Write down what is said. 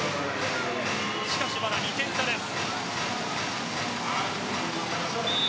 しかしまだ２点差です。